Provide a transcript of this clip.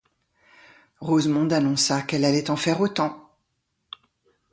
Rosemonde annonça qu'elle allait en faire autant.